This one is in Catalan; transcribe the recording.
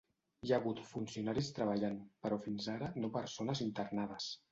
Hi ha hagut funcionaris treballant però fins ara no persones internades.